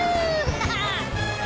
ハハッ！